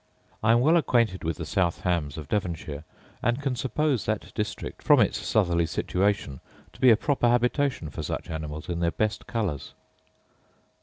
I am well acquainted with the south hams of Devonshire; and can suppose that district, from its southerly situation, to be a proper habitation for such animals in their best colours.